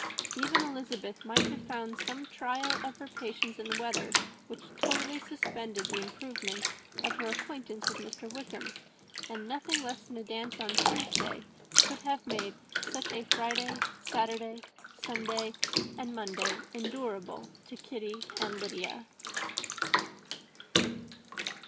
Even Elizabeth might have found some trial of her patience in weather which totally suspended the improvement of her acquaintance with Mr. Wickham; and nothing less than a dance on Tuesday could have made such a Friday, Saturday, Sunday, and Monday endurable to Kitty and Lydia.